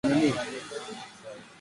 Waliahidi ushirika